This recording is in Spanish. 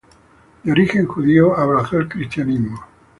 De origen judío, abrazó el cristianismo.